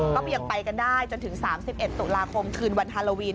ก็ยังไปกันได้จนถึง๓๑ตุลาคมคืนวันฮาโลวีน